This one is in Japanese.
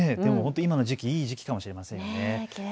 今の時期、いい時期かもしれませんね。